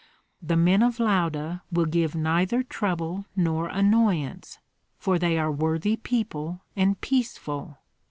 The men of Lauda will give neither trouble nor annoyance, for they are worthy people and peaceful.